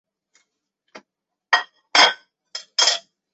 吉隆红螯蛛为管巢蛛科红螯蛛属的动物。